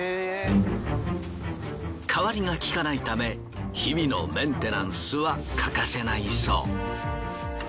かわりがきかないため日々のメンテナンスは欠かせないそう。